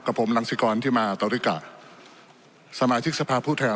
กับผมรังสิกรณ์ที่มาสมาชิกสภาพผู้แทน